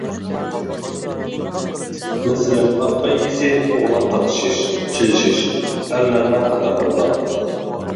مەسىلەن، ئات بەيگىسى، ئوغلاق تارتىشىش، چېلىشىش، ئەلنەغمە قاتارلىقلار.